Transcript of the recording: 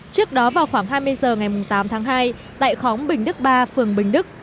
trước đó vào khoảng hai mươi h ngày tám tháng hai tại khóm bình đức ba phường bình đức